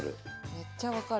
めっちゃ分かる。